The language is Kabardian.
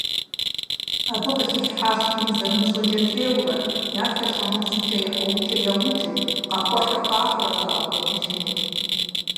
Абы къыхилъхьащ бийм зэрымыщӏэкӏэ теуэурэ, я лъэр щӏэмыху щӏыкӏэ яхуэукӏыр яукӏыу, къахуэхьыр къахьурэ загъэкӏуэдыжыну.